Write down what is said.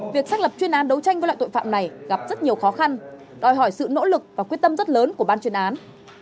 việc xác lập chuyên án đấu tranh với loại tội phạm này gặp rất nhiều khó khăn đòi hỏi sự nỗ lực và quyết tâm rất lớn của ban chuyên án